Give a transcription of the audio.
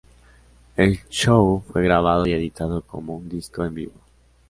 El show fue grabado y editado como un disco en vivo.